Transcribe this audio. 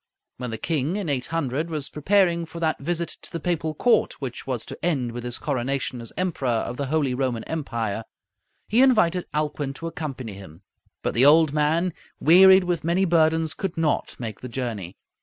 When the king, in 800, was preparing for that visit to the Papal court which was to end with his coronation as Emperor of the Holy Roman Empire, he invited Alcuin to accompany him. But the old man, wearied with many burdens, could not make the journey.